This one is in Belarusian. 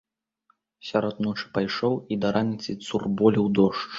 Сярод ночы пайшоў і да раніцы цурболіў дождж.